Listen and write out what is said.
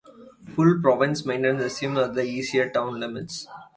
Full provincial maintenance resumes at the eastern town limits.